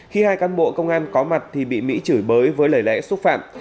khi hai cán bộ công an có mặt thì bị mỹ chửi bới với lời lẽ xúc phạm